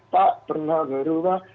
tidak pernah berubah